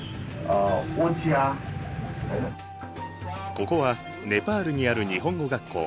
ここはネパールにある日本語学校。